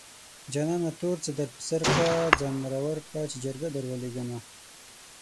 جانانه تور څادر په سر کړه ځان مرور کړه چې جرګه دروليږمه